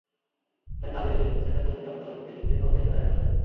Bag কাঁধে এলে সেটা খুলে নিরাপত্তাকর্মীকে দেখিয়ে তবেই মেলায় ঢোকা যায়।